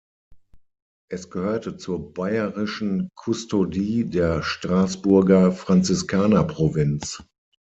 Es gehörte zur Bayerischen Kustodie der Straßburger Franziskanerprovinz.